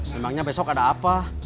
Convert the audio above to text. memangnya besok ada apa